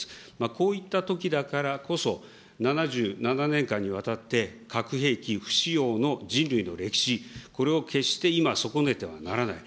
こういったときだからこそ、７７年間にわたって核兵器不使用の人類の歴史、これを決して今、損ねてはならない。